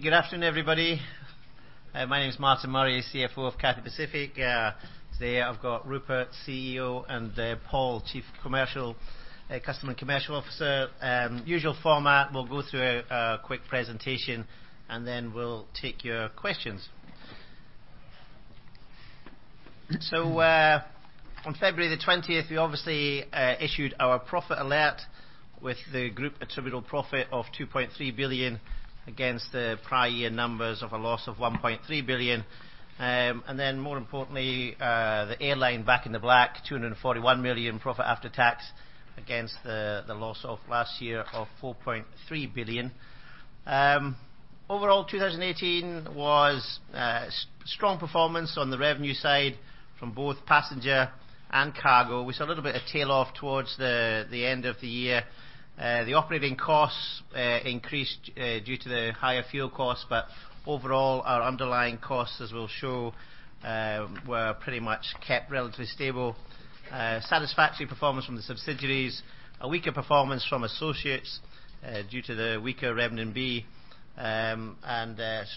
Good afternoon, everybody. My name is Martin Murray, CFO of Cathay Pacific. Today, I've got Rupert, CEO, and Paul, Chief Customer and Commercial Officer. Usual format, we'll go through a quick presentation, then we'll take your questions. On February 20th, we obviously issued our profit alert with the group attributable profit of 2.3 billion against the prior year numbers of a loss of 1.3 billion. More importantly, the airline back in the black, 241 million profit after tax against the loss of last year of 4.3 billion. Overall, 2018 was a strong performance on the revenue side from both passenger and cargo. We saw a little bit of tail off towards the end of the year. The operating costs increased due to the higher fuel costs, overall, our underlying costs, as we'll show, were pretty much kept relatively stable. A satisfactory performance from the subsidiaries. A weaker performance from associates due to the weaker renminbi,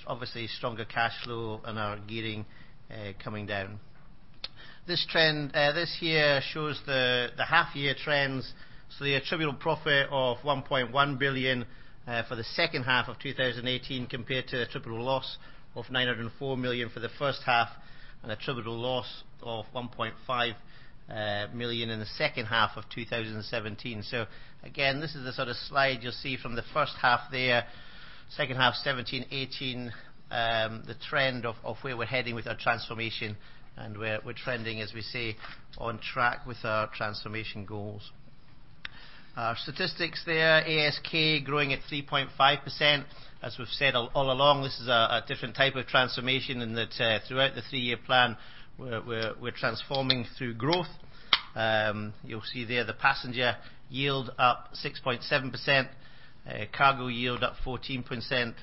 obviously stronger cash flow and our gearing coming down. This here shows the half-year trends. The attributable profit of 1.1 billion for the second half of 2018 compared to the attributable loss of 904 million for the first half, attributable loss of 1.5 million in the second half of 2017. Again, this is the sort of slide you'll see from the first half there, second half 2017, 2018, the trend of where we're heading with our transformation and where we're trending, as we say, on track with our transformation goals. Our statistics there, ASK growing at 3.5%. As we've said all along, this is a different type of transformation in that throughout the 3-year plan, we're transforming through growth. You'll see there the passenger yield up 6.7%, cargo yield up 14%,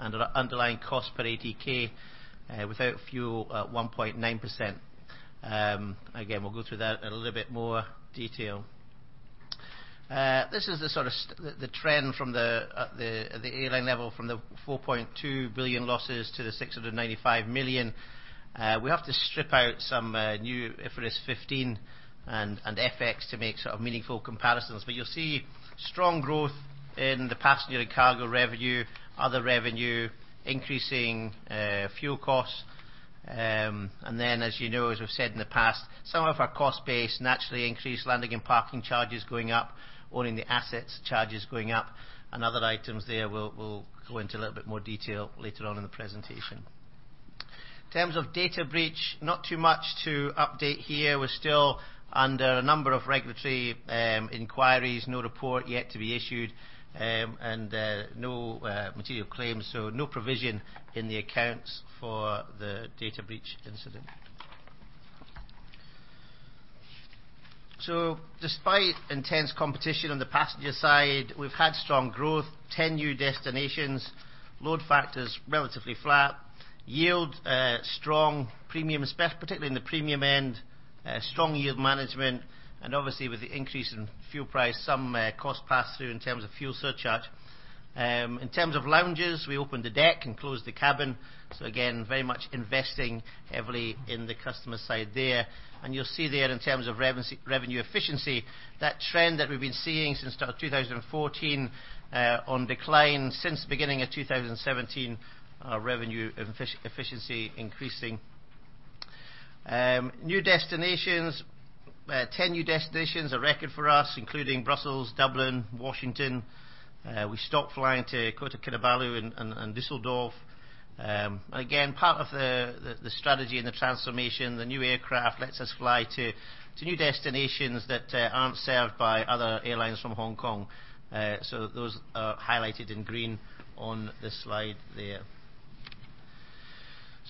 underlying cost per ATK without fuel at 1.9%. Again, we'll go through that in a little bit more detail. This is the sort of the trend at the airline level from the 4.2 billion losses to the 695 million. We have to strip out some new IFRS 15 and FX to make sort of meaningful comparisons. You'll see strong growth in the passenger and cargo revenue, other revenue, increasing fuel costs. Then, as you know, as we've said in the past, some of our cost base naturally increased, landing and parking charges going up, owning the assets, charges going up, other items there, we'll go into a little bit more detail later on in the presentation. In terms of data breach, not too much to update here. We're still under a number of regulatory inquiries. No report yet to be issued, no material claims, no provision in the accounts for the data breach incident. Despite intense competition on the passenger side, we've had strong growth, 10 new destinations, load factors relatively flat. Yield strong, particularly in the premium end, strong yield management, obviously with the increase in fuel price, some cost pass-through in terms of fuel surcharge. In terms of lounges, we opened the deck and closed the cabin. Again, very much investing heavily in the customer side there. You'll see there in terms of revenue efficiency, that trend that we've been seeing since 2014 on decline. Since the beginning of 2017, our revenue efficiency increasing. New destinations, 10 new destinations, a record for us, including Brussels, Dublin, Washington. We stopped flying to Kota Kinabalu and Düsseldorf. Part of the strategy and the transformation, the new aircraft lets us fly to new destinations that aren't served by other airlines from Hong Kong. Those are highlighted in green on this slide there.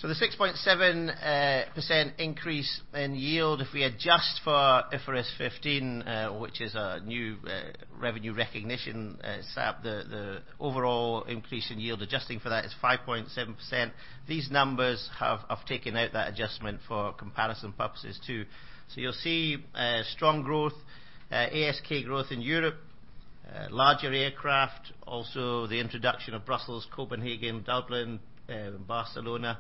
The 6.7% increase in yield, if we adjust for IFRS 15, which is a new revenue recognition SAP, the overall increase in yield, adjusting for that is 5.7%. These numbers have taken out that adjustment for comparison purposes too. You'll see strong growth, ASK growth in Europe, larger aircraft, also the introduction of Brussels, Copenhagen, Dublin, Barcelona.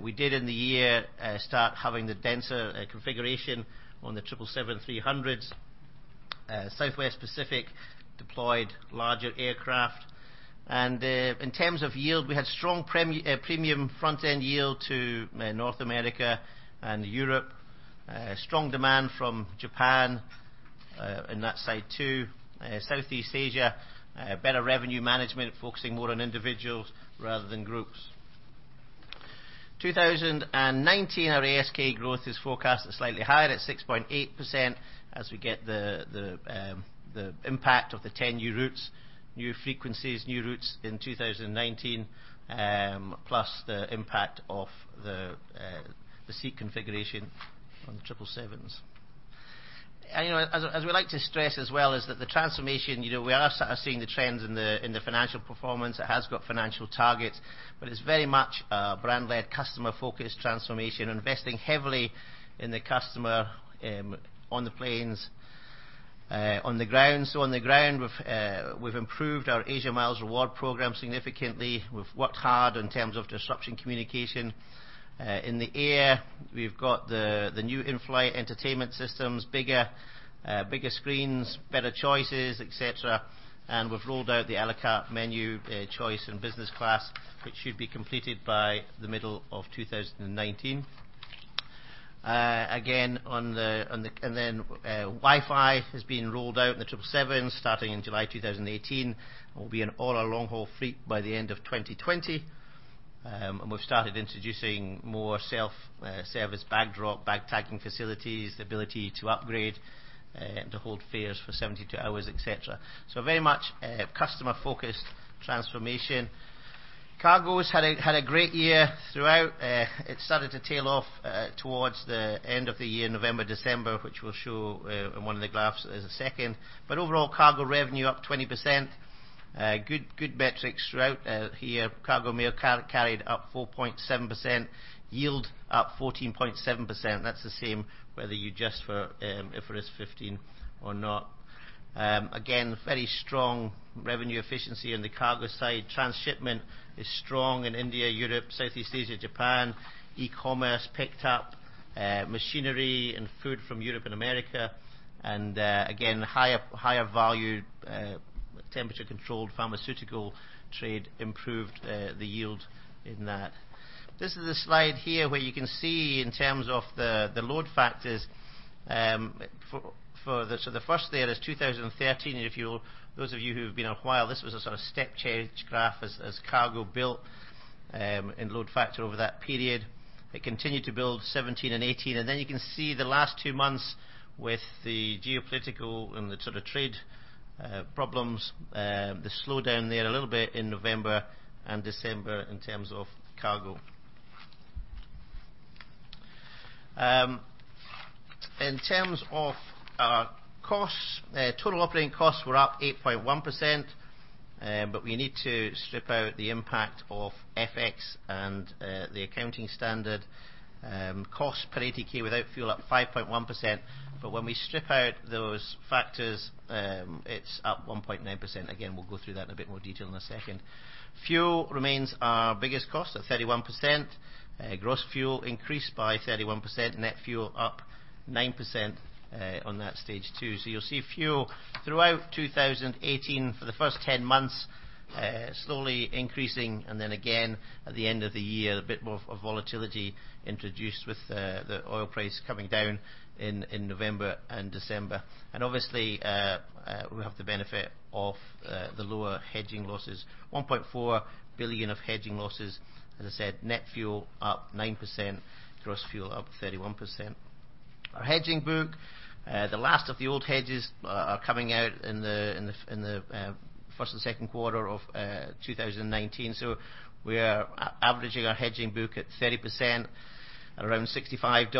We did in the year, start having the denser configuration on the 777-300s. Southwest Pacific deployed larger aircraft. In terms of yield, we had strong premium front-end yield to North America and Europe. Strong demand from Japan in that side too. Southeast Asia, better revenue management, focusing more on individuals rather than groups. 2019, our ASK growth is forecasted slightly higher at 6.8% as we get the impact of the 10 new routes, new frequencies, new routes in 2019, plus the impact of the seat configuration on the 777s. As we like to stress as well is that the transformation, we are sort of seeing the trends in the financial performance. It has got financial targets. It's very much a brand-led, customer-focused transformation, investing heavily in the customer, on the planes, on the ground. On the ground, we've improved our Asia Miles reward program significantly. We've worked hard in terms of disruption communication. In the air, we've got the new in-flight entertainment systems, bigger screens, better choices, et cetera, and we've rolled out the à la carte menu choice in business class, which should be completed by the middle of 2019. Wi-Fi has been rolled out in the 777s starting in July 2018, and will be in all our long-haul fleet by the end of 2020. We've started introducing more self-service bag drop, bag tagging facilities, the ability to upgrade, to hold fares for 72 hours, et cetera. Very much a customer-focused transformation. Cargo's had a great year throughout. It started to tail off towards the end of the year, November, December, which we'll show in one of the graphs as a second. Overall, cargo revenue up 20%. Good metrics throughout here. Cargo mail carried up 4.7%, yield up 14.7%. That's the same whether you adjust for IFRS 15 or not. Very strong revenue efficiency on the cargo side. Transshipment is strong in India, Europe, Southeast Asia, Japan. E-commerce picked up. Machinery and food from Europe and America. Higher value temperature-controlled pharmaceutical trade improved the yield in that. This is the slide here where you can see in terms of the load factors. The first there is 2013. Those of you who've been here a while, this was a sort of step change graph as cargo built in load factor over that period. It continued to build 2017 and 2018. You can see the last two months with the geopolitical and the sort of trade problems, the slowdown there a little bit in November and December in terms of cargo. In terms of our costs, total operating costs were up 8.1%, but we need to strip out the impact of FX and the accounting standard. Cost per ATK without fuel up 5.1%, but when we strip out those factors, it's up 1.9%. We'll go through that in a bit more detail in a second. Fuel remains our biggest cost at 31%. Gross fuel increased by 31%, net fuel up 9% on that stage 2. You'll see fuel throughout 2018 for the first 10 months, slowly increasing, then again at the end of the year, a bit more of volatility introduced with the oil price coming down in November and December. Obviously, we have the benefit of the lower hedging losses, 1.4 billion of hedging losses. As I said, net fuel up 9%, gross fuel up 31%. Our hedging book, the last of the old hedges are coming out in the first and second quarter of 2019. We are averaging our hedging book at 30%, around $65,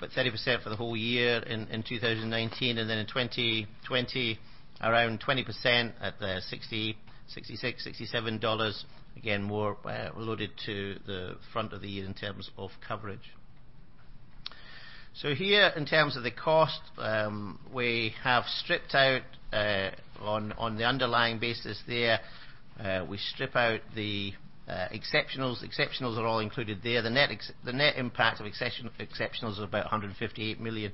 but 30% for the whole year in 2019, then in 2020, around 20% at the $66, $67. More loaded to the front of the year in terms of coverage. Here, in terms of the cost, we have stripped out on the underlying basis there. We strip out the exceptionals. Exceptionals are all included there. The net impact of exceptionals is about 158 million.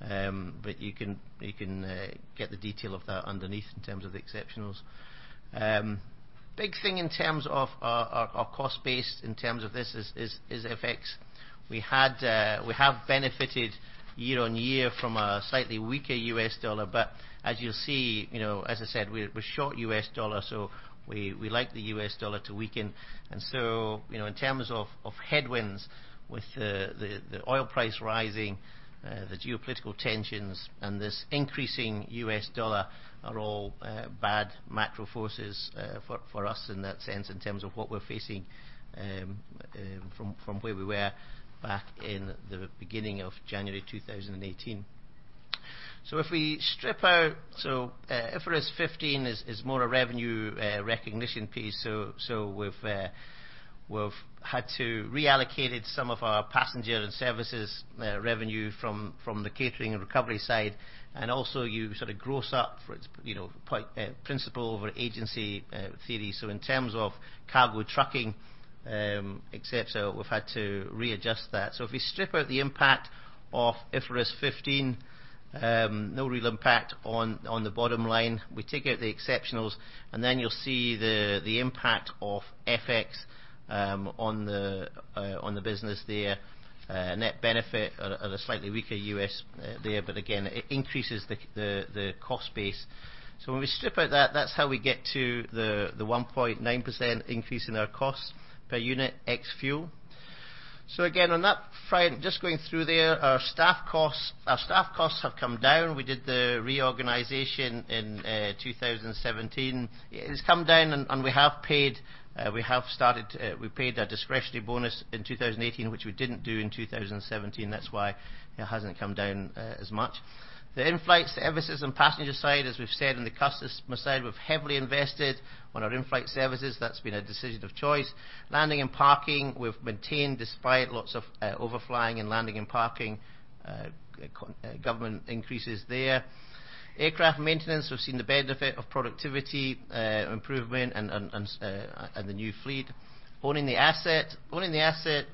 You can get the detail of that underneath in terms of the exceptionals. Big thing in terms of our cost base in terms of this is FX. We have benefited year-on-year from a slightly weaker U.S. dollar, as you'll see, as I said, we're short U.S. dollar, we like the U.S. dollar to weaken. In terms of headwinds with the oil price rising, the geopolitical tensions, and this increasing U.S. dollar are all bad macro forces for us in that sense in terms of what we're facing from where we were back in the beginning of January 2018. IFRS 15 is more a revenue recognition piece. We've had to reallocate some of our passenger and services revenue from the catering and recovery side. Also you sort of gross up for its principle over agency theory. In terms of cargo trucking, et cetera, we've had to readjust that. If we strip out the impact of IFRS 15, no real impact on the bottom line. We take out the exceptionals, you'll see the impact of FX on the business there. Net benefit at a slightly weaker U.S. there, again, it increases the cost base. When we strip out that's how we get to the 1.9% increase in our cost per unit ex fuel. Again, on that front, just going through there, our staff costs have come down. We did the reorganization in 2017. It has come down, we have paid a discretionary bonus in 2018, which we didn't do in 2017. That's why it hasn't come down as much. The inflight services and passenger side, as we've said on the customer side, we've heavily invested on our inflight services. That's been a decision of choice. Landing and parking, we've maintained despite lots of overflying and landing and parking government increases there. Aircraft maintenance, we've seen the benefit of productivity improvement and the new fleet. Owning the asset,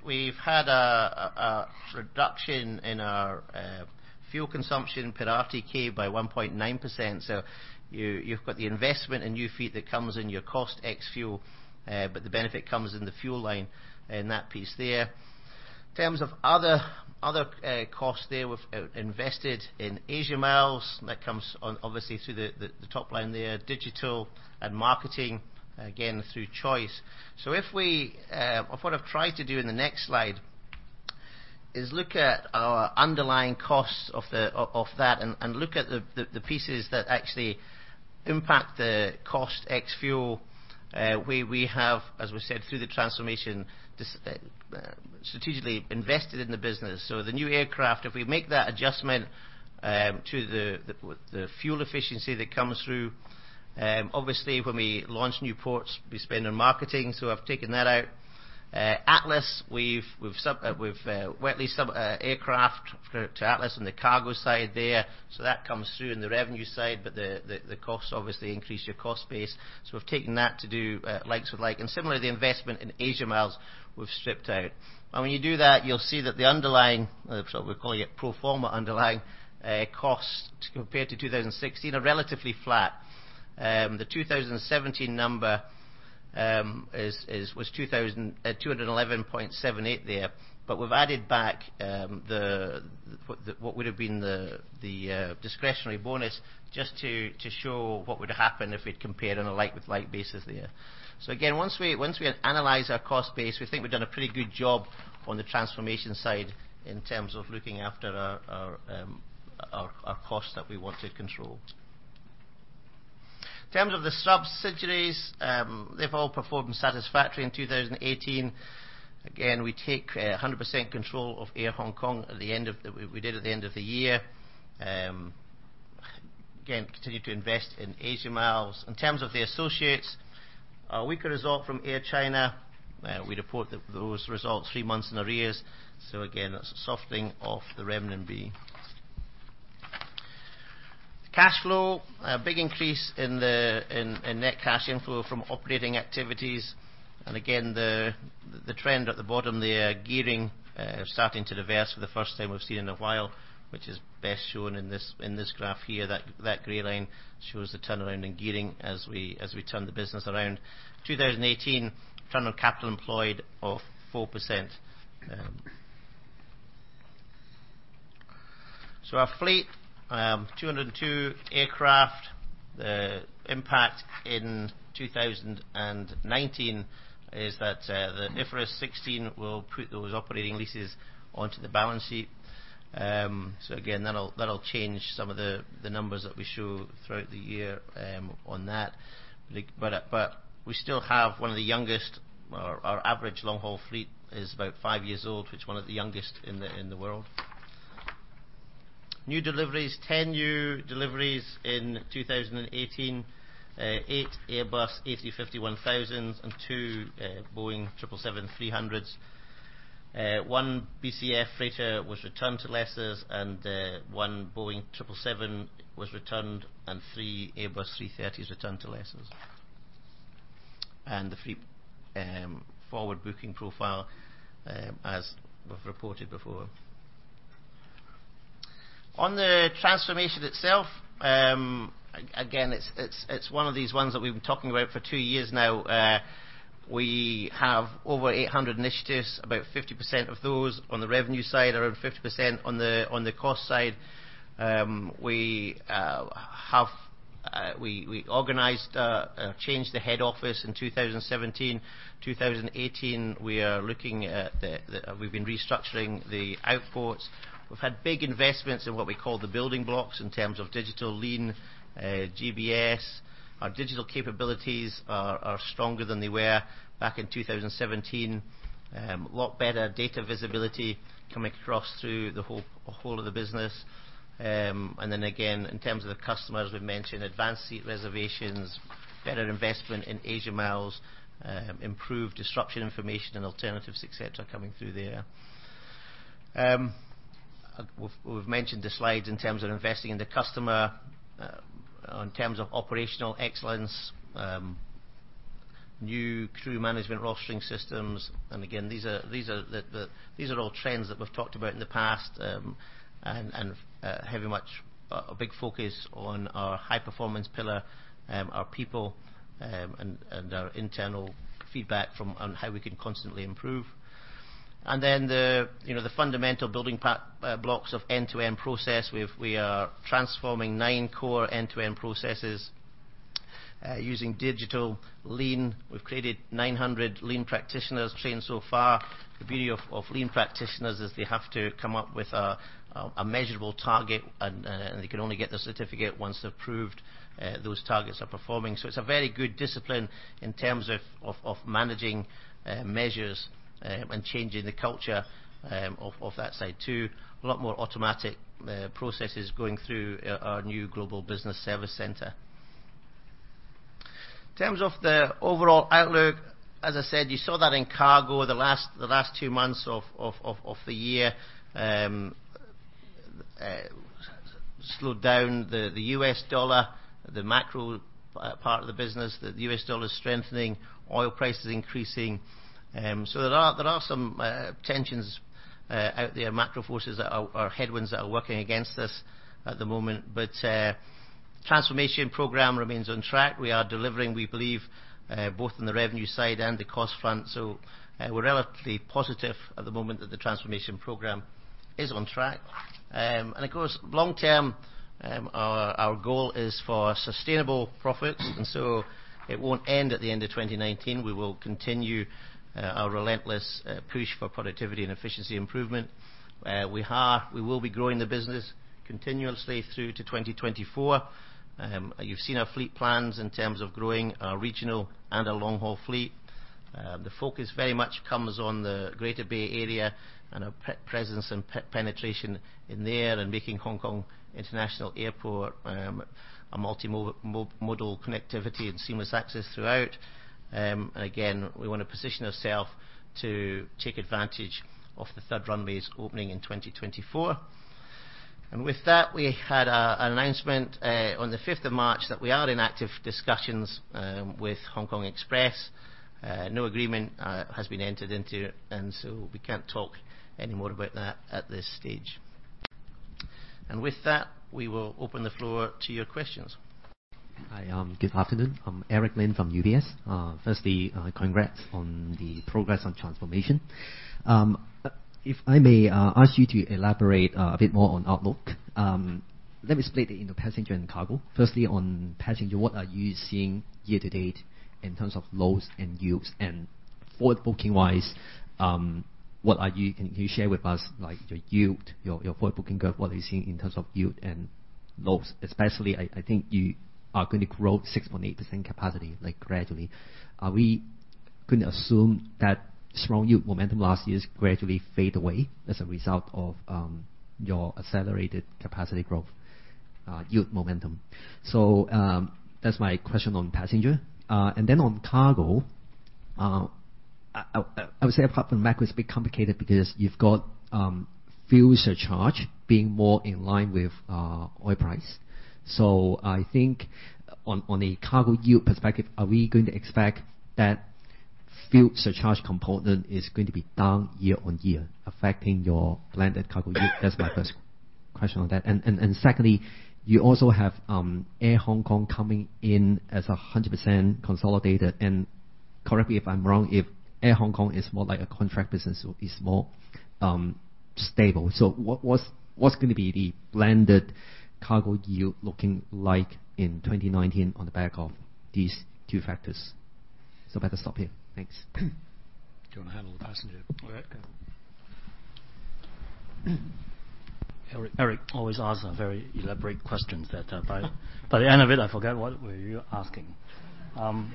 we've had a reduction in our fuel consumption per RTK by 1.9%. You've got the investment in new fleet that comes in your cost ex-fuel, the benefit comes in the fuel line in that piece there. In terms of other costs there, we've invested in Asia Miles, that comes obviously through the top line there. Digital and marketing, again, through choice. What I've tried to do in the next slide is look at our underlying costs of that and look at the pieces that actually impact the cost ex-fuel. We have, as we said, through the transformation, strategically invested in the business. The new aircraft, if we make that adjustment to the fuel efficiency that comes through, obviously when we launch new ports, we spend on marketing, so I've taken that out. Atlas, we've wet-leased some aircraft to Atlas on the cargo side there. That comes through in the revenue side, the costs obviously increase your cost base. We've taken that to do likes with like, and similarly the investment in Asia Miles we've stripped out. When you do that, you'll see that the underlying, we're calling it pro forma underlying, costs compared to 2016 are relatively flat. The 2017 number was 211.78 there, we've added back what would've been the discretionary bonus just to show what would happen if we'd compared on a like with like basis there. Again, once we analyze our cost base, we think we've done a pretty good job on the transformation side in terms of looking after our costs that we want to control. In terms of the subsidiaries, they've all performed satisfactory in 2018. Again, we take 100% control of Air Hong Kong, we did at the end of the year. Again, continue to invest in Asia Miles. In terms of the associates, a weaker result from Air China. We report those results three months in arrears, again, that's a softening of the renminbi. Cash flow, a big increase in net cash inflow from operating activities. Again, the trend at the bottom there, gearing starting to reverse for the first time we've seen in a while, which is best shown in this graph here. That gray line shows the turnaround in gearing as we turn the business around. 2018 return on capital employed of 4%. Our fleet, 202 aircraft. The impact in 2019 is that the IFRS 16 will put those operating leases onto the balance sheet. Again, that'll change some of the numbers that we show throughout the year on that. We still have one of the youngest, our average long haul fleet is about five years old, which is one of the youngest in the world. New deliveries, 10 new deliveries in 2018. Eight Airbus A350-1000s and two Boeing 777-300s. One BCF freighter was returned to lessors and one Boeing 777 was returned, and three Airbus A330s returned to lessors. The fleet forward booking profile, as we've reported before. On the transformation itself, again, it's one of these ones that we've been talking about for two years now. We have over 800 initiatives, about 50% of those on the revenue side, around 50% on the cost side. We organized a change to head office in 2017. 2018, we've been restructuring the outports. We've had big investments in what we call the building blocks in terms of digital lean GBS. Our digital capabilities are stronger than they were back in 2017. A lot better data visibility coming across through the whole of the business. Again, in terms of the customers, we've mentioned advanced seat reservations, better investment in Asia Miles, improved disruption information and alternatives, et cetera, coming through there. We've mentioned the slides in terms of investing in the customer. On terms of operational excellence, new crew management rostering systems. Again, these are all trends that we've talked about in the past, and very much a big focus on our high performance pillar, our people, and our internal feedback on how we can constantly improve. The fundamental building blocks of end-to-end process. We are transforming nine core end-to-end processes using digital lean. We've created 900 lean practitioners trained so far. The beauty of lean practitioners is they have to come up with a measurable target, and they can only get the certificate once they've proved those targets are performing. It's a very good discipline in terms of managing measures and changing the culture of that side too. A lot more automatic processes going through our new Global Business Service Center. In terms of the overall outlook, as I said, you saw that in cargo the last two months of the year slowed down. The U.S. dollar, the macro part of the business, the U.S. dollar is strengthening, oil prices increasing. There are some tensions out there, macro forces or headwinds that are working against us at the moment. Transformation program remains on track. We are delivering, we believe, both in the revenue side and the cost front. We're relatively positive at the moment that the transformation program is on track. Of course, long term, our goal is for sustainable profits, it won't end at the end of 2019. We will continue our relentless push for productivity and efficiency improvement. We will be growing the business continuously through to 2024. You've seen our fleet plans in terms of growing our regional and our long-haul fleet. The focus very much comes on the Greater Bay Area and our presence and penetration in there, and making Hong Kong International Airport a multi-modal connectivity and seamless access throughout. Again, we want to position ourself to take advantage of the third runways opening in 2024. With that, we had an announcement on the 5th of March that we are in active discussions with Hong Kong Express. No agreement has been entered into, we can't talk any more about that at this stage. With that, we will open the floor to your questions. Hi. Good afternoon. I'm Eric Lin from UBS. Congrats on the progress on transformation. If I may ask you to elaborate a bit more on outlook. Let me split it into passenger and cargo. On passenger, what are you seeing year to date in terms of loads and yields? Forward booking wise, can you share with us, your yield, your forward booking curve, what are you seeing in terms of yield and loads? Especially, I think you are going to grow 6.8% capacity gradually. Are we going to assume that strong yield momentum last year gradually fade away as a result of your accelerated capacity growth yield momentum? That's my question on passenger. On cargo, I would say apart from macro, it's a bit complicated because you've got fuel surcharge being more in line with oil price. I think on a cargo yield perspective, are we going to expect that fuel surcharge component is going to be down year-on-year, affecting your blended cargo yield? That's my first question on that. Secondly, you also have Air Hong Kong coming in as 100% consolidated, and correct me if I'm wrong, if Air Hong Kong is more like a contract business, so it's more stable. What's going to be the blended cargo yield looking like in 2019 on the back of these two factors? Better stop here. Thanks. Do you want to handle the passenger? All right. Eric always asks very elaborate questions that by the end of it, I forget what were you asking. I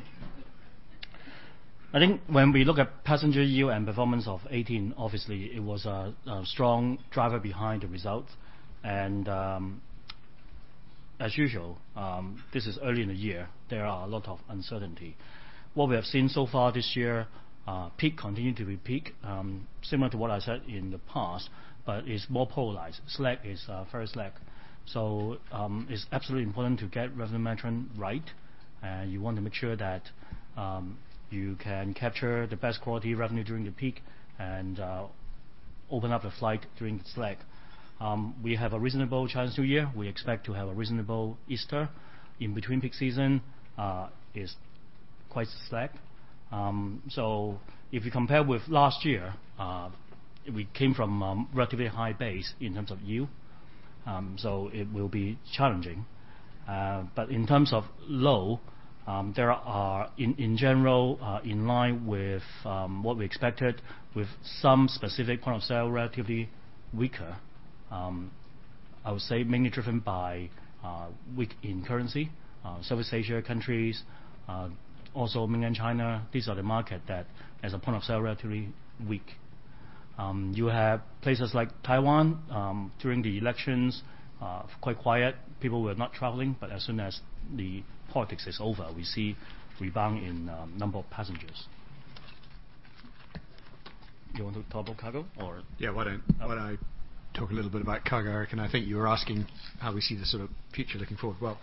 think when we look at passenger yield and performance of 2018, as usual, this is early in the year, there are a lot of uncertainty. What we have seen so far this year, peak continue to be peak, similar to what I said in the past, but is more polarized. Slack is very slack. It's absolutely important to get revenue management right, and you want to make sure that you can capture the best quality revenue during the peak, and open up a flight during the slack. We have a reasonable Chinese New Year. We expect to have a reasonable Easter. In between peak season, is quite slack. If you compare with last year, we came from a relatively high base in terms of yield, it will be challenging. In terms of low, there are in general, in line with what we expected with some specific point of sale, relatively weaker. I would say mainly driven by weak in currency. Southeast Asia countries, also Mainland China, these are the market that as a point of sale, relatively weak. You have places like Taiwan, during the elections, quite quiet. People were not traveling, but as soon as the politics is over, we see rebound in number of passengers. You want to talk on cargo or? Yeah, why don't I talk a little bit about cargo, Eric? I think you were asking how we see the sort of future looking forward. Well,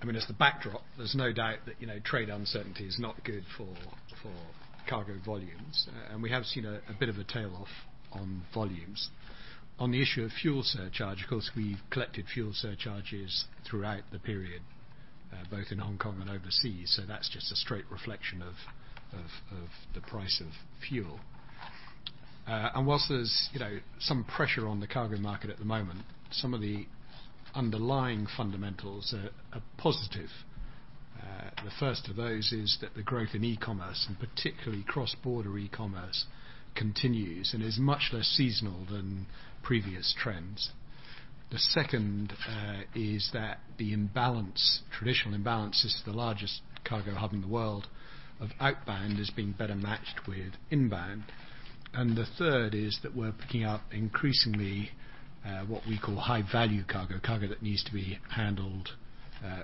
I mean, as the backdrop, there's no doubt that trade uncertainty is not good for cargo volumes. We have seen a bit of a tail off on volumes. On the issue of fuel surcharge, of course, we've collected fuel surcharges throughout the period, both in Hong Kong and overseas, that's just a straight reflection of the price of fuel. Whilst there's some pressure on the cargo market at the moment, some of the underlying fundamentals are positive. The first of those is that the growth in e-commerce, and particularly cross-border e-commerce, continues and is much less seasonal than previous trends. The second is that the traditional imbalance as the largest cargo hub in the world of outbound is being better matched with inbound. The third is that we're picking up increasingly, what we call high-value cargo that needs to be handled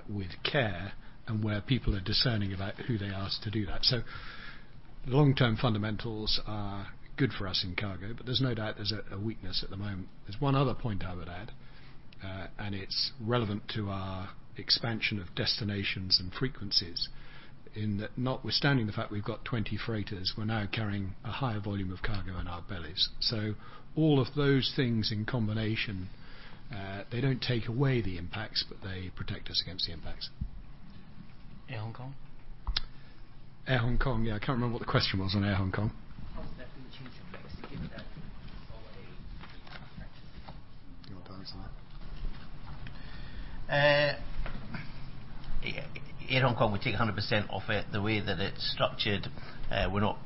with care, and where people are discerning about who they ask to do that. The long-term fundamentals are good for us in cargo, but there's no doubt there's a weakness at the moment. There's one other point I would add, it's relevant to our expansion of destinations and frequencies, in that notwithstanding the fact we've got 20 freighters, we're now carrying a higher volume of cargo in our bellies. All of those things in combination, they don't take away the impacts, but they protect us against the impacts. Air Hong Kong? Air Hong Kong. Yeah. I can't remember what the question was on Air Hong Kong. How has that been changed? You want to answer that? Air Hong Kong, we take 100% of it. The way that it's structured, we're not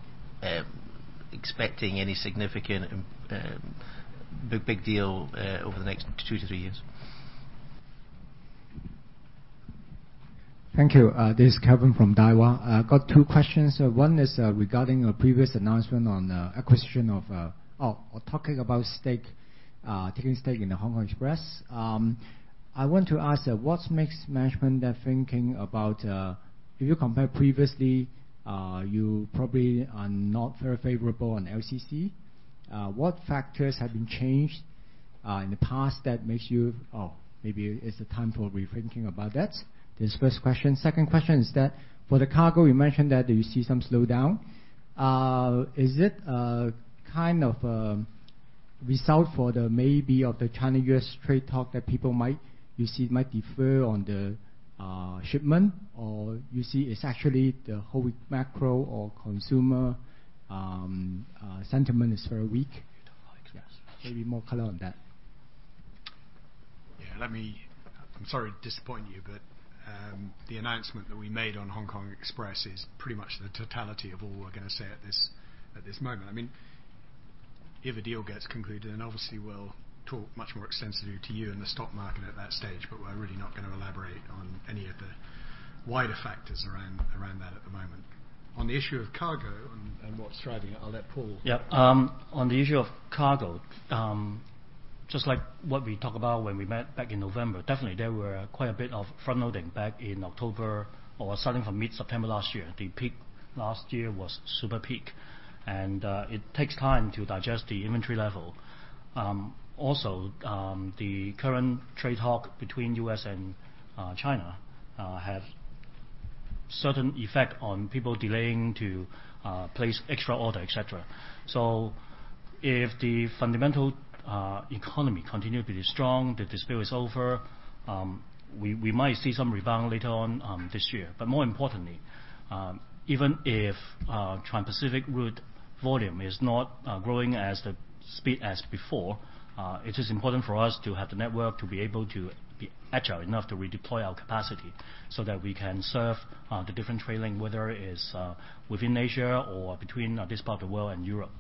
expecting any significant big deal over the next two to three years. Thank you. This is Kelvin from Daiwa. I got two questions. One is regarding a previous announcement on acquisition or talking about stake, taking stake in the Hong Kong Express. I want to ask, what makes management there thinking about, if you compare previously, you probably are not very favorable on LCC. What factors have been changed in the past that makes you, "Oh, maybe it's the time for rethinking about that?" That's the first question. Second question is that for the cargo, you mentioned that you see some slowdown. Is it a kind of a result for the maybe of the China-U.S. trade talk that people might defer on the shipment, or you see it's actually the whole macro or consumer sentiment is very weak? You don't like Express. Maybe more color on that. Yeah. I'm sorry to disappoint you, the announcement that we made on HK Express is pretty much the totality of all we're going to say at this moment. If a deal gets concluded, obviously we'll talk much more extensively to you and the stock market at that stage, we're really not going to elaborate on any of the wider factors around that at the moment. On the issue of cargo and what's driving it, I'll let Paul- Yeah. On the issue of cargo, just like what we talk about when we met back in November, definitely there were quite a bit of front-loading back in October or starting from mid-September last year. The peak last year was super peak. It takes time to digest the inventory level. Also, the current trade talk between U.S. and China have certain effect on people delaying to place extra order, et cetera. If the fundamental economy continue to be strong, the dispute is over, we might see some rebound later on this year. More importantly, even if transpacific route volume is not growing as the speed as before, it is important for us to have the network to be able to be agile enough to redeploy our capacity so that we can serve the different trailing, whether it is within Asia or between this part of the world and Europe.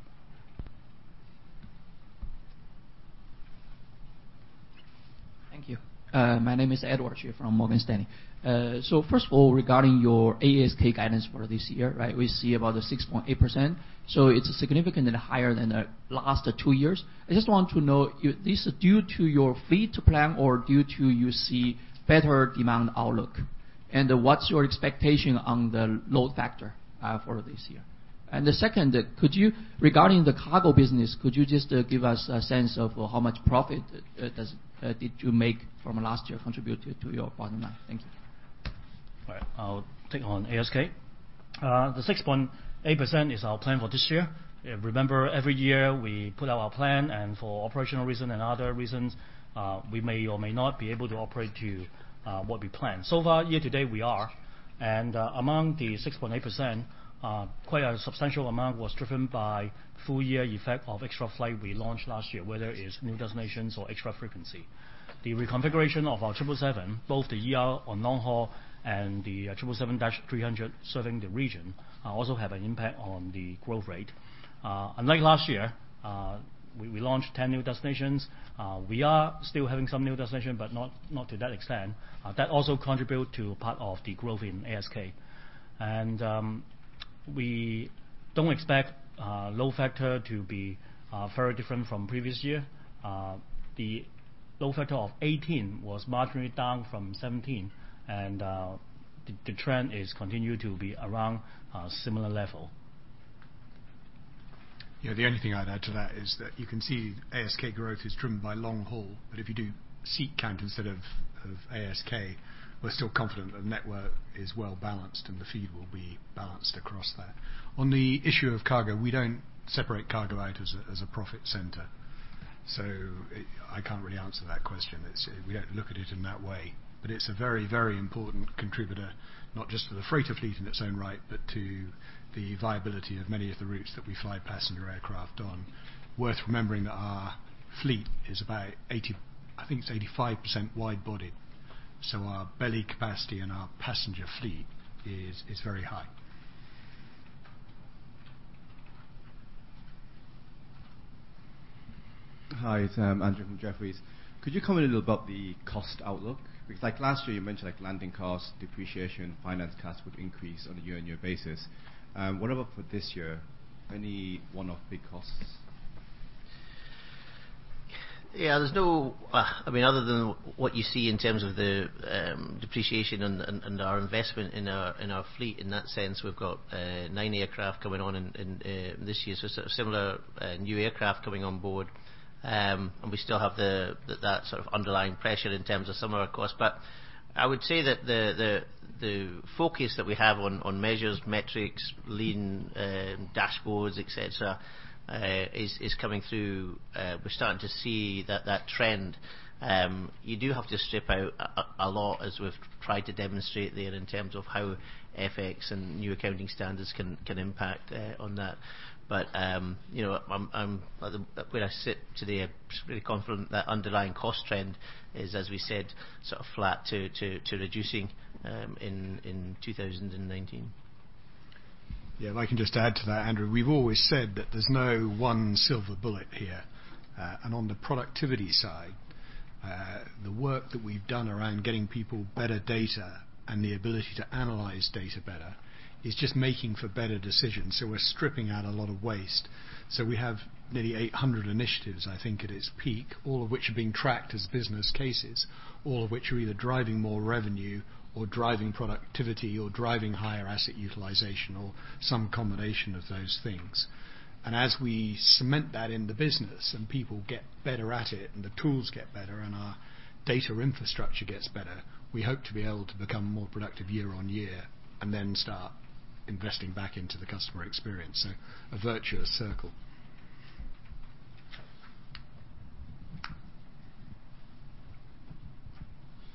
Thank you. My name is Edward Chiu from Morgan Stanley. First of all, regarding your ASK guidance for this year, we see about 6.8%, so it's significantly higher than the last two years. I just want to know, this is due to your fleet plan or due to you see better demand outlook? What's your expectation on the load factor for this year? The second, regarding the cargo business, could you just give us a sense of how much profit did you make from last year contributed to your bottom line? Thank you. All right. I'll take on ASK. The 6.8% is our plan for this year. Remember, every year we put out our plan, and for operational reason and other reasons, we may or may not be able to operate to what we plan. Far, year to date, we are. Among the 6.8%, quite a substantial amount was driven by full year effect of extra flight we launched last year, whether it's new destinations or extra frequency. The reconfiguration of our 777, both the ER on long haul and the 777-300 serving the region, also have an impact on the growth rate. Unlike last year, we launched 10 new destinations. We are still having some new destination, but not to that extent. That also contribute to part of the growth in ASK. We don't expect load factor to be very different from previous year. The load factor of 2018 was marginally down from 2017, the trend is continued to be around a similar level. The only thing I'd add to that is that you can see ASK growth is driven by long haul. If you do seat count instead of ASK, we're still confident that network is well-balanced, and the feed will be balanced across that. On the issue of cargo, we don't separate cargo out as a profit center. I can't really answer that question. We don't look at it in that way. It's a very important contributor, not just for the freighter fleet in its own right, but to the viability of many of the routes that we fly passenger aircraft on. Worth remembering that our fleet is about 80, I think it's 85% wide body. Our belly capacity in our passenger fleet is very high. Hi, it's Andrew from Jefferies. Could you comment a little about the cost outlook? Because last year you mentioned landing cost, depreciation, finance cost would increase on a year-over-year basis. What about for this year? Any one-off big costs? Other than what you see in terms of the depreciation and our investment in our fleet, in that sense, we've got nine aircraft coming on this year. Similar new aircraft coming on board. We still have that sort of underlying pressure in terms of some of our costs. I would say that the focus that we have on measures, metrics, lean dashboards, et cetera, is coming through. We're starting to see that trend. You do have to strip out a lot as we've tried to demonstrate there in terms of how FX and new accounting standards can impact on that. Where I sit today, I'm pretty confident that underlying cost trend is, as we said, sort of flat to reducing in 2019. If I can just add to that, Andrew, we've always said that there's no one silver bullet here. On the productivity side, the work that we've done around getting people better data and the ability to analyze data better is just making for better decisions. We're stripping out a lot of waste. We have nearly 800 initiatives, I think, at its peak, all of which are being tracked as business cases. All of which are either driving more revenue or driving productivity or driving higher asset utilization or some combination of those things. As we cement that in the business and people get better at it and the tools get better and our data infrastructure gets better, we hope to be able to become more productive year-over-year and then start investing back into the customer experience. A virtuous circle.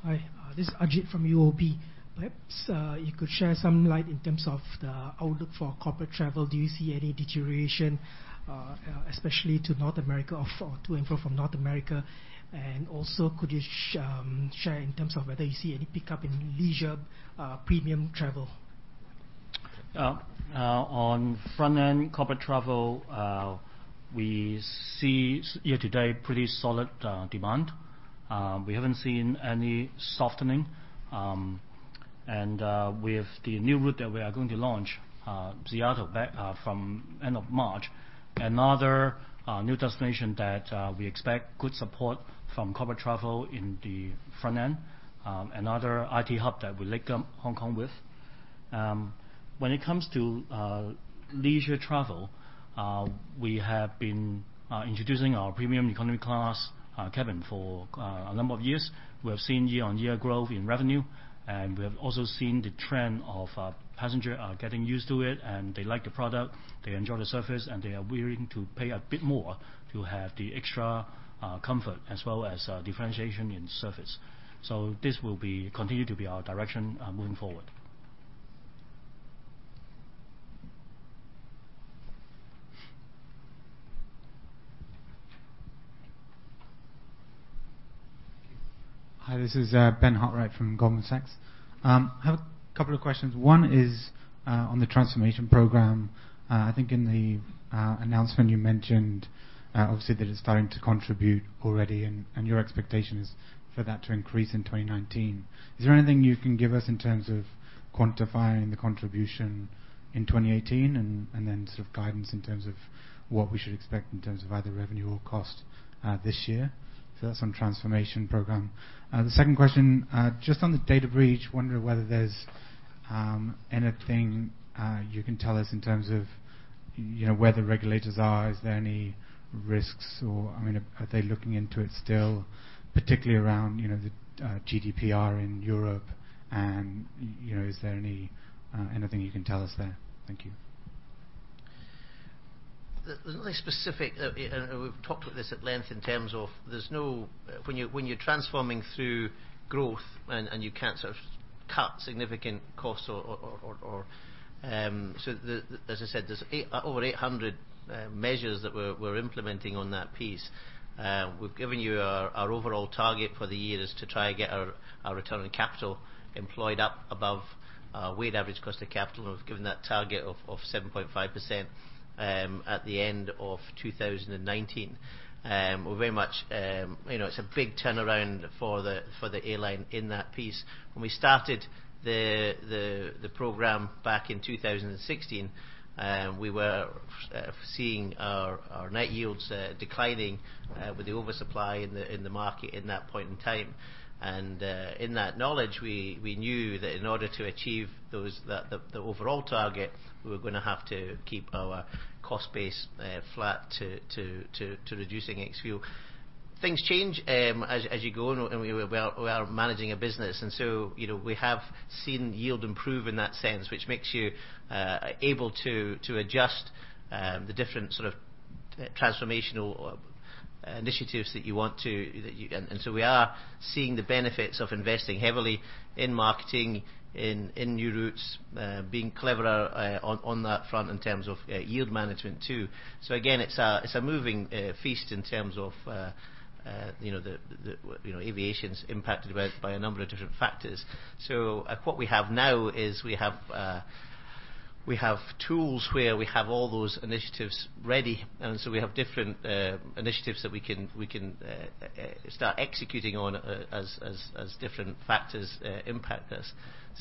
Hi, this is Ajit from UOB. Perhaps you could share some light in terms of the outlook for corporate travel. Do you see any deterioration, especially to and from North America? Also, could you share in terms of whether you see any pickup in leisure premium travel? On front-end corporate travel, we see year-to-date pretty solid demand. We haven't seen any softening. With the new route that we are going to launch, Seattle, from end of March, another new destination that we expect good support from corporate travel in the front end. Another IT hub that we link up Hong Kong with. When it comes to leisure travel, we have been introducing our premium economy class cabin for a number of years. We have seen year-on-year growth in revenue, and we have also seen the trend of passenger are getting used to it and they like the product, they enjoy the service, and they are willing to pay a bit more to have the extra comfort as well as differentiation in service. This will be continued to be our direction moving forward. Hi, this is Ben Hartwright from Goldman Sachs. I have a couple of questions. One is on the transformation program. I think in the announcement you mentioned, obviously that it's starting to contribute already and your expectation is for that to increase in 2019. Is there anything you can give us in terms of quantifying the contribution in 2018 and then sort of guidance in terms of what we should expect in terms of either revenue or cost this year? That's on transformation program. The second question, just on the data breach, wondering whether there's anything you can tell us in terms of where the regulators are. Is there any risks or are they looking into it still, particularly around the GDPR in Europe and is there anything you can tell us there? Thank you. There's nothing specific, and we've talked about this at length in terms of When you're transforming through growth and you can't sort of cut significant costs or, as I said, there's over 800 measures that we're implementing on that piece. We've given you our overall target for the year is to try to get our return on capital employed up above our weighted average cost of capital. We've given that target of 7.5% at the end of 2019. It's a big turnaround for the airline in that piece. When we started the program back in 2016, we were seeing our net yields declining with the oversupply in the market in that point in time. In that knowledge, we knew that in order to achieve the overall target, we were going to have to keep our cost base flat to reducing ex-fuel. Things change as you go, and we are managing a business. We have seen yield improve in that sense, which makes you able to adjust the different sort of transformational initiatives that you want to. We are seeing the benefits of investing heavily in marketing, in new routes, being cleverer on that front in terms of yield management too. Again, it's a moving feast in terms of the aviation's impacted by a number of different factors. What we have now is we have tools where we have all those initiatives ready. We have different initiatives that we can start executing on as different factors impact us.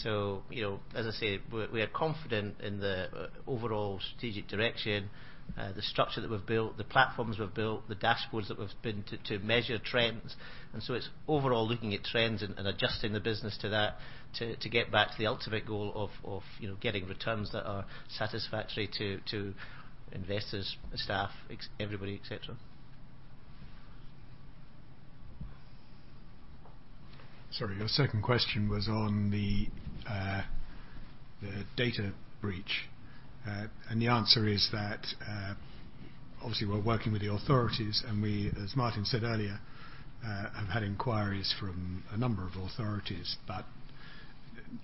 As I say, we are confident in the overall strategic direction, the structure that we've built, the platforms we've built, the dashboards that we've built to measure trends. It's overall looking at trends and adjusting the business to that to get back to the ultimate goal of getting returns that are satisfactory to investors, staff, everybody, et cetera. Sorry, your second question was on the data breach. The answer is that obviously we're working with the authorities, and we, as Martin said earlier, have had inquiries from a number of authorities.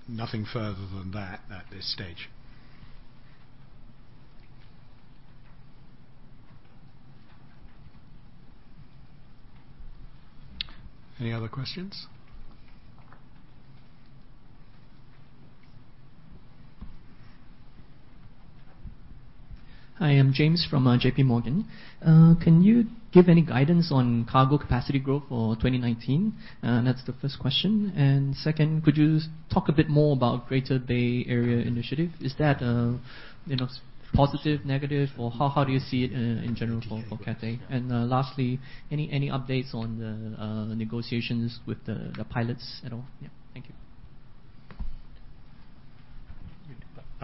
Nothing further than that at this stage. Any other questions? Hi, I'm James from JP Morgan. Can you give any guidance on cargo capacity growth for 2019? That's the first question. Second, could you talk a bit more about Greater Bay Area initiative? Is that positive, negative, or how do you see it in general for Cathay? Lastly, any updates on the negotiations with the pilots at all?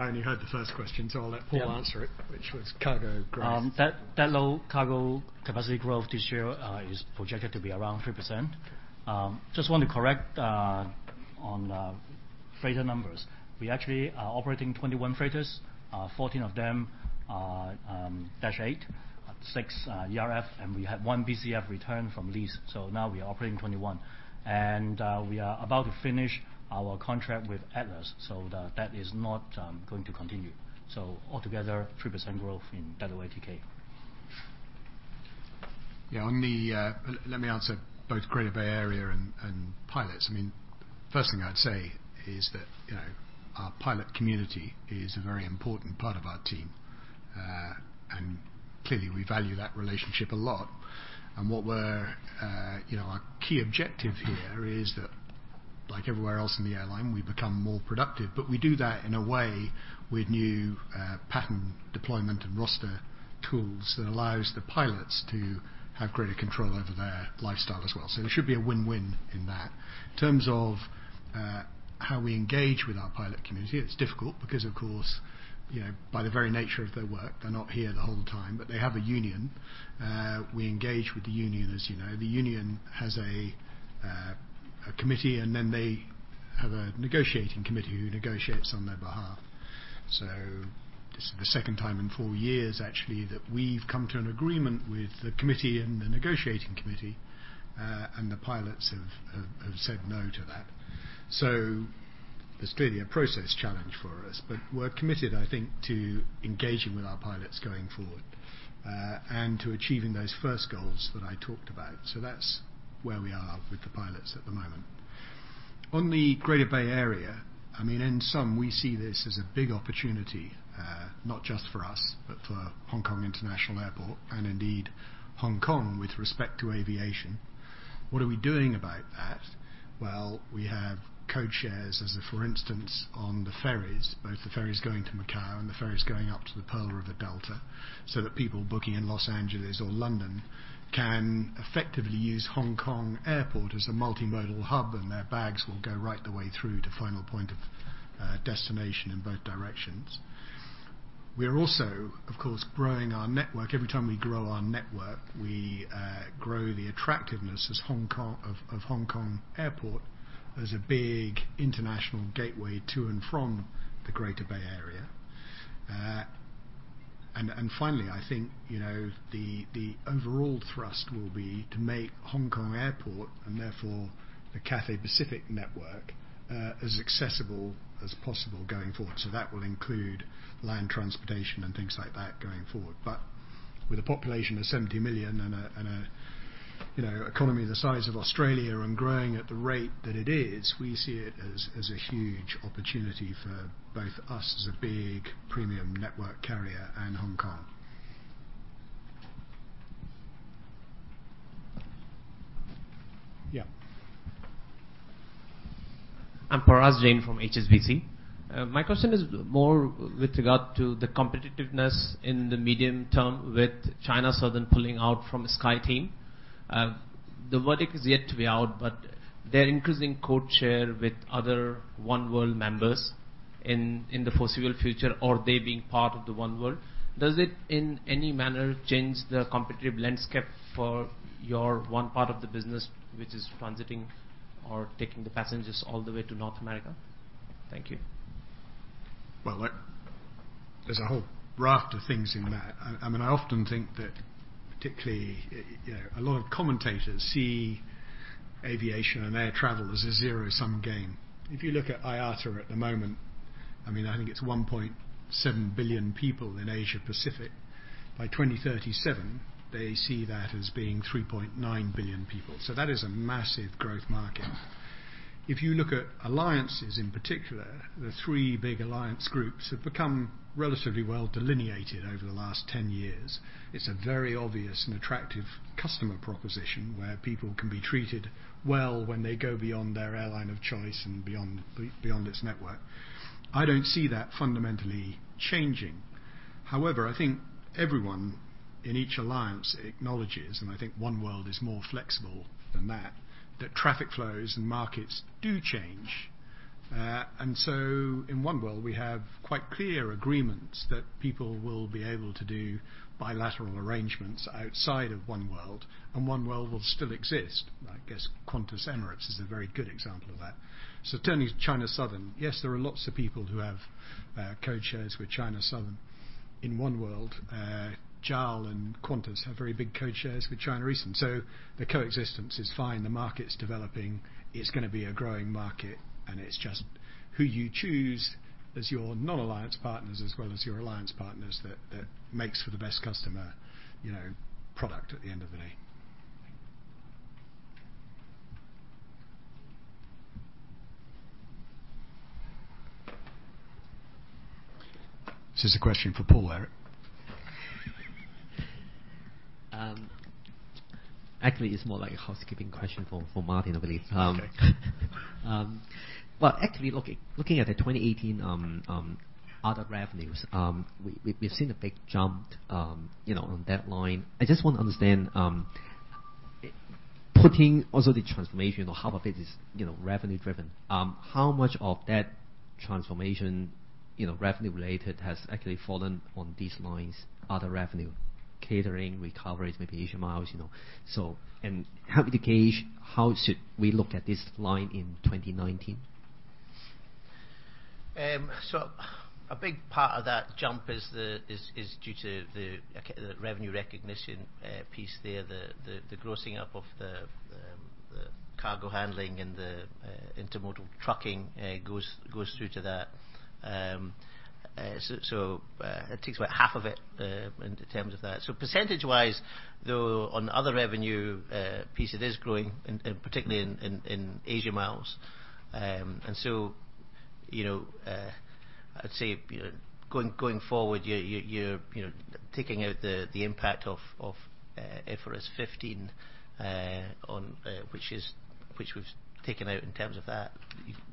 Yeah. Thank you. I only heard the first question, I'll let Paul answer it, which was cargo growth. That low cargo capacity growth this year is projected to be around 3%. Just want to correct on the freighter numbers. We actually are operating 21 freighters, 14 of them 747-8F, six ERF, and we had one BCF return from lease. Now we are operating 21. We are about to finish our contract with Atlas, so that is not going to continue. Altogether, 3% growth in ATK. Yeah. Let me answer both Greater Bay Area and pilots. First thing I'd say is that our pilot community is a very important part of our team. Clearly, we value that relationship a lot. Our key objective here is that like everywhere else in the airline, we become more productive. We do that in a way with new pattern deployment and roster tools that allows the pilots to have greater control over their lifestyle as well. It should be a win-win in that. In terms of how we engage with our pilot community, it's difficult because, of course, by the very nature of their work, they're not here the whole time. They have a union. We engage with the union, as you know. The union has a committee and they have a negotiating committee who negotiates on their behalf. This is the second time in four years actually that we've come to an agreement with the committee and the negotiating committee, and the pilots have said no to that. It's clearly a process challenge for us, we're committed, I think, to engaging with our pilots going forward. To achieving those first goals that I talked about. That's where we are with the pilots at the moment. On the Greater Bay Area, in sum, we see this as a big opportunity, not just for us, but for Hong Kong International Airport and indeed Hong Kong with respect to aviation. What are we doing about that? We have code shares as a for instance on the ferries, both the ferries going to Macau and the ferries going up to the Pearl River Delta, so that people booking in Los Angeles or London can effectively use Hong Kong Airport as a multimodal hub, and their bags will go right the way through to final point of destination in both directions. We are also, of course, growing our network. Every time we grow our network, we grow the attractiveness of Hong Kong Airport as a big international gateway to and from the Greater Bay Area. Finally, I think, the overall thrust will be to make Hong Kong Airport and therefore the Cathay Pacific network, as accessible as possible going forward. That will include land transportation and things like that going forward. With a population of 70 million and an economy the size of Australia and growing at the rate that it is, we see it as a huge opportunity for both us as a big premium network carrier and Hong Kong. Yeah. I'm Parash Jain from HSBC. My question is more with regard to the competitiveness in the medium term with China Southern pulling out from the SkyTeam. The verdict is yet to be out, but they're increasing code share with other oneworld members in the foreseeable future or they being part of the oneworld. Does it in any manner change the competitive landscape for your one part of the business, which is transiting or taking the passengers all the way to North America? Thank you. Well, there's a whole raft of things in that. I often think that particularly a lot of commentators see Aviation and air travel is a zero-sum game. If you look at IATA at the moment, I think it's 1.7 billion people in Asia Pacific. By 2037, they see that as being 3.9 billion people. That is a massive growth market. If you look at alliances in particular, the three big alliance groups have become relatively well delineated over the last 10 years. It's a very obvious and attractive customer proposition where people can be treated well when they go beyond their airline of choice and beyond its network. I don't see that fundamentally changing. However, I think everyone in each alliance acknowledges, and I think oneworld is more flexible than that traffic flows and markets do change. In oneworld, we have quite clear agreements that people will be able to do bilateral arrangements outside of oneworld, and oneworld will still exist. I guess Qantas Emirates is a very good example of that. Turning to China Southern, yes, there are lots of people who have code shares with China Southern. In oneworld, JAL and Qantas have very big code shares with China Eastern. The coexistence is fine. The market's developing. It's going to be a growing market, and it's just who you choose as your non-alliance partners as well as your alliance partners that makes for the best customer product at the end of the day. This is a question for Paul, Eric. Actually, it's more like a housekeeping question for Martin, I believe. Okay. Well, actually, looking at the 2018 other revenues, we've seen a big jump on that line. I just want to understand, putting also the transformation of how much of it is revenue-driven, how much of that transformation, revenue-related, has actually fallen on these lines, other revenue, catering, recoveries, maybe Asia Miles. How would you gauge how should we look at this line in 2019? A big part of that jump is due to the revenue recognition piece there, the grossing up of the cargo handling and the intermodal trucking goes through to that. It takes about half of it in terms of that. Percentage-wise, though, on the other revenue piece, it is growing, and particularly in Asia Miles. I'd say going forward, you're taking out the impact of IFRS 15, which we've taken out in terms of that.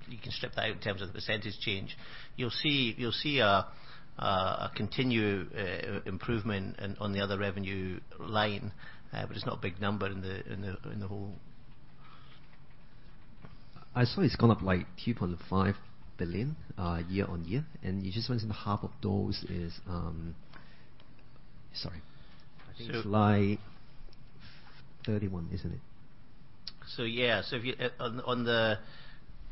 You can strip that out in terms of the percentage change. You'll see a continued improvement on the other revenue line, but it's not a big number in the whole. I saw it's gone up like 2.5 billion year-over-year. Sure. I think it's slide 31, isn't it? Yeah. On the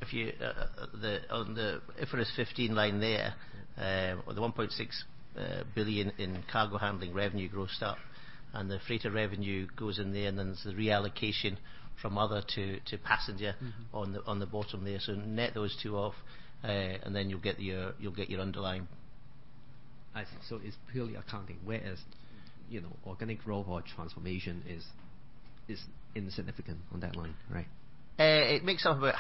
IFRS 15 line there, the 1.6 billion in cargo handling revenue grossed up, and the freighter revenue goes in there, and then there's the reallocation from other two to passenger- on the bottom there. Net those two off, and then you'll get your underlying. I see. It's purely accounting, whereas organic growth or transformation is insignificant on that line, right? It makes up about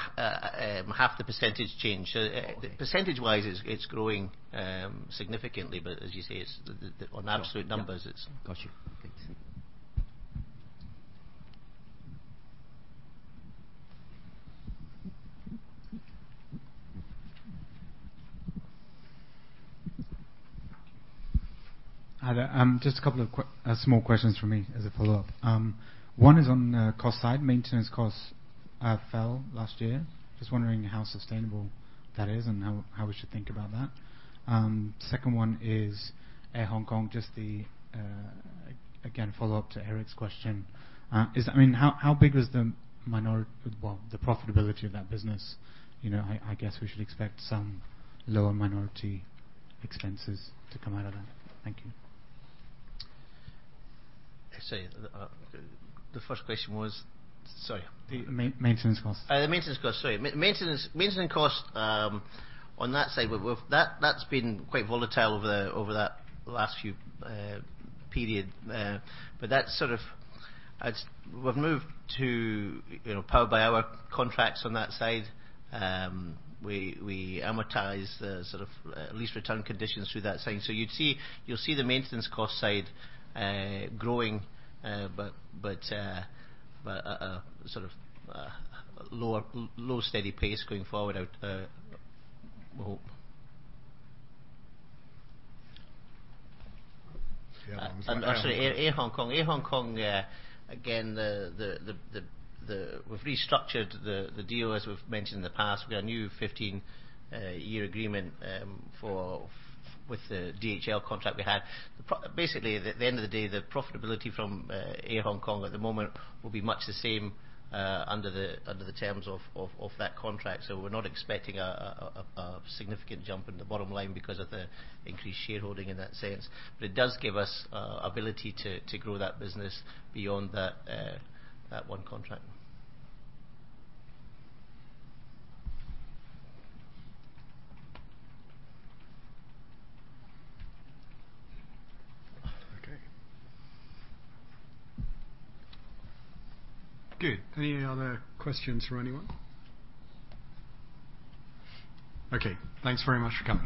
half the % change. Okay. Percentage-wise, it's growing significantly, but as you say, on absolute numbers, it's. Got you. Good. Hi there. Just a couple of small questions from me as a follow-up. One is on the cost side. Maintenance costs have fell last year. Just wondering how sustainable that is and how we should think about that. Second one is Air Hong Kong, again, follow-up to Eric's question. How big was the profitability of that business? I guess we should expect some lower minority expenses to come out of that. Thank you. Sorry, the first question was? Sorry. The maintenance costs. The maintenance cost. Sorry. Maintenance cost, on that side, that's been quite volatile over that last few period. We've moved to power-by-the-hour contracts on that side. We amortize the lease return conditions through that thing. You'll see the maintenance cost side growing, but a low, steady pace going forward, I would hope. Yeah, Sorry, Air Hong Kong. Air Hong Kong, again, we've restructured the deal, as we've mentioned in the past. We got a new 15-year agreement with the DHL contract we had. Basically, at the end of the day, the profitability from Air Hong Kong at the moment will be much the same under the terms of that contract. We're not expecting a significant jump in the bottom line because of the increased shareholding in that sense. It does give us ability to grow that business beyond that one contract. Okay. Good. Any other questions from anyone? Okay. Thanks very much for coming.